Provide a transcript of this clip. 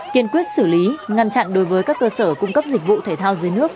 kiên quyết xử lý ngăn chặn đối với các cơ sở cung cấp dịch vụ thể thao dưới nước